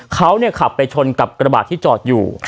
เขาขับไปชนกับกระบาดที่จอดอยู่